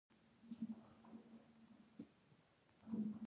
غزني د افغانانو په ټولنیز ژوند باندې پوره اغېز لري.